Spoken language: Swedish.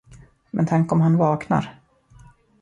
Men tänk om han vaknar!